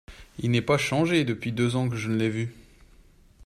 Il n’est pas changé depuis deux ans que je ne l’ai vu !…